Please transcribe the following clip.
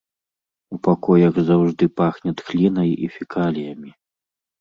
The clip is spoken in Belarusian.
У пакоях заўжды пахне тхлінай і фекаліямі.